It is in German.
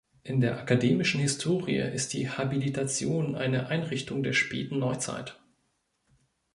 In der akademischen Historie ist die Habilitation eine Einrichtung der späten Neuzeit.